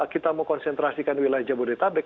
kita mau konsentrasikan wilayah jabodetabek